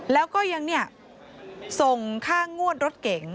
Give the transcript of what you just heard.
แล้วก็ยังส่งค่างวดรถเก๋ง